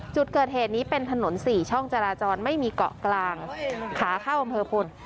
จุดเกิดเหตุนี้เป็นถนน๔ช่องจราจรไม่มีเกาะกลางขาเข้าอำเภอพล